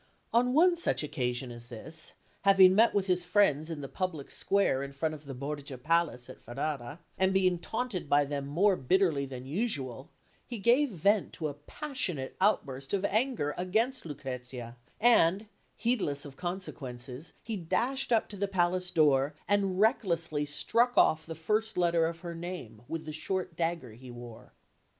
On one such occasion as this, having met with his friends in the public square in front of the Borgia Palace at Ferrara, and being taunted by them more bitterly than usual, he gave vent to a passionate outburst of anger against Lucrezia; and, heedless of consequences, he dashed up to the palace door, and recklessly struck off the first letter of her name with the short dagger he wore.